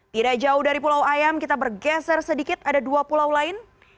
tidak jauh dari pulau ayam kita bergeser sedikit ada dua pulau lain